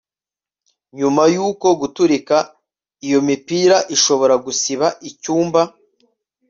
nyuma yo guturika iyo mipira, ushobora gusiba icyumba